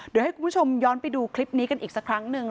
เดี๋ยวให้คุณผู้ชมย้อนไปดูคลิปนี้กันอีกสักครั้งหนึ่ง